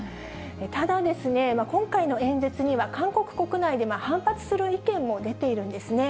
ただですね、今回の演説には、韓国国内で反発する意見も出ているんですね。